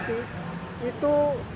itu kita bangun